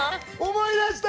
思い出した！